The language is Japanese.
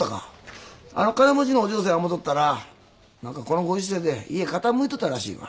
金持ちのお嬢さんや思うとったら何かこのご時世で家傾いとったらしいわ。